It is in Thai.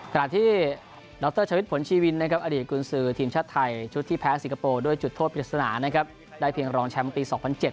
ขณะที่ดรชวิตผลชีวินนะครับอดีตกุญสือทีมชาติไทยชุดที่แพ้สิงคโปร์ด้วยจุดโทษปริศนานะครับได้เพียงรองแชมป์ปี๒๐๐๗